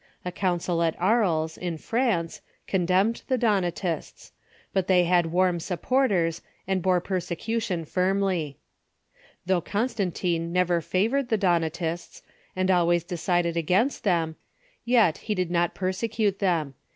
A council at Aries, in France, condemned the Donatists. But they had warm supporters, and bore persecution firmly. Though Con stantine never favored the Donatists, and always decided against them, yet he did not persecute them.